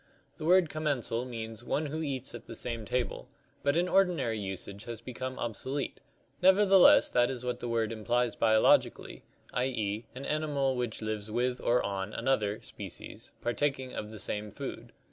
The word commensal means one who eats at the same table, but in ordinary usage has become obsolete, nevertheless that is what the word implies biologically, i. e., an animal which lives with or on another (species), partaking of the same food.